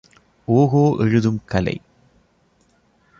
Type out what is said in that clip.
ஓகோ எழுதும் கலை.